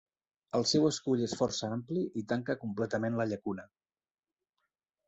El seu escull és força ampli i tanca completament la llacuna.